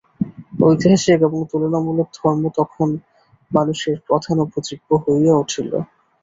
ঐতিহাসিক এবং তুলনামূলক ধর্ম তখন মানুষের প্রধান উপজীব্য হইয়া উঠিল।